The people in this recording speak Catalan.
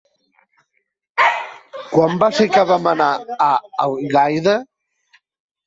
Quan va ser que vam anar a Algaida?